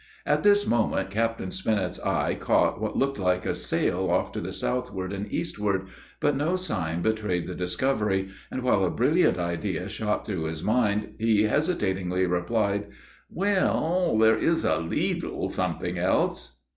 At this moment, Captain Spinnet's eye caught what looked like a sail off to the southward and eastward, but no sign betrayed the discovery, and, while a brilliant idea shot through his mind, he hesitatingly replied: "Well, there is a leetle something else."